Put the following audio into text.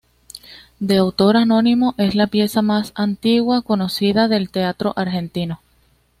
De autor anónimo, es la pieza más antigua conocida del teatro argentino.